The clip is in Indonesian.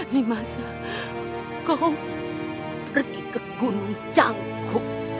nimas kau pergi ke gunung cangkuk